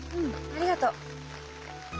ありがとう。